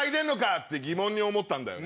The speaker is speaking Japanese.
って疑問に思ったんだよね。